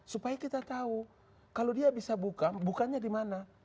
supaya kita tahu kalau dia bisa buka bukannya di mana